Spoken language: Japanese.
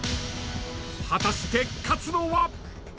［果たして勝つのは？］